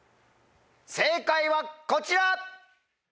正解はこちら！